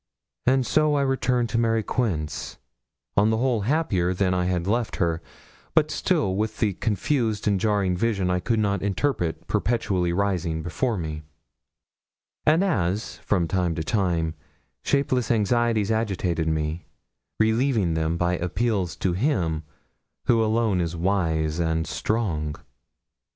And so I returned to Mary Quince, on the whole happier than I had left her, but still with the confused and jarring vision I could not interpret perpetually rising before me; and as, from time to time, shapeless anxieties agitated me, relieving them by appeals to Him who alone is wise and strong.